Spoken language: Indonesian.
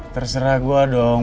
terserah gue dong